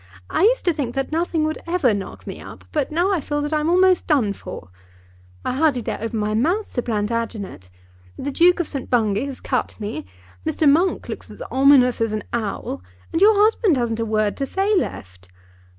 I used to think that nothing would ever knock me up, but now I feel that I'm almost done for. I hardly dare open my mouth to Plantagenet. The Duke of St. Bungay has cut me. Mr. Monk looks as ominous as an owl; and your husband hasn't a word to say left.